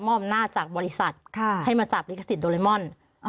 มอบหน้าจากบริษัทค่ะให้มาจับลิขสิทธิ์โดเรมอนอ้อ